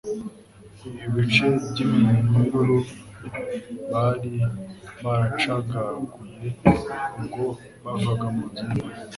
Ibice by'iminyururu bari baracagaguye ubwo bavaga mu nzu y'imbohe